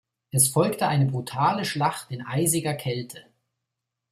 Es folgte eine brutale Schlacht in eisiger Kälte.